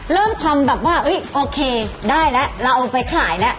เริ่มทำแบบว่าโอเคได้แล้วเราเอาไปขายแล้ว